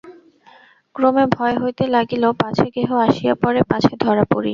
ক্রমে ভয় হইতে লাগিল পাছে কেহ আসিয়া পড়ে, পাছে ধরা পড়ি।